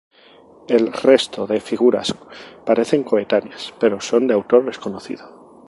El resto de figuras parecen coetáneas, pero son de autor desconocido.